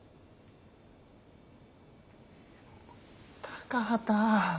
高畑